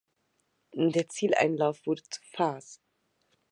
Der Zieleinlauf wurde zur Farce.